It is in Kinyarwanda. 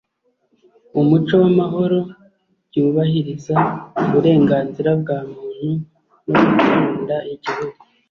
umuco w'amahoro, byubahiriza uburenganzira bwa muntu no gukunda igihugu